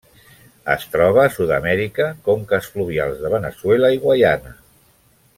Es troba a Sud-amèrica: conques fluvials de Veneçuela i Guaiana.